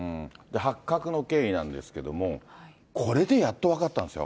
発覚の経緯なんですけども、これでやっと分かったんですよ。